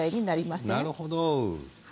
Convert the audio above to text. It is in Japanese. なるほど。